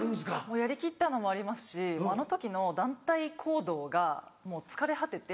やりきったのもありますしあの時の団体行動が疲れ果てて。